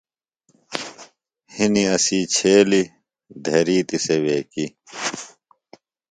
ہِنیۡ اسی چھیلیۡ، دھرِیتیۡ سےۡ ویکیۡ